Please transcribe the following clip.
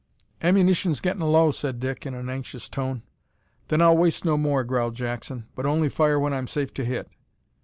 "Ammunition's gettin' low," said Dick, in an anxious tone. "Then I'll waste no more," growled Jackson, "but only fire when I'm safe to hit."